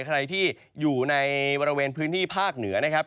ใครที่อยู่ในบริเวณพื้นที่ภาคเหนือนะครับ